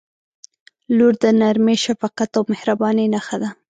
• لور د نرمۍ، شفقت او مهربانۍ نښه ده.